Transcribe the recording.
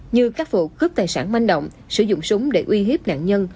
như các vụ cướp tài sản manh động sử dụng súng để uy hiếp nạn nhân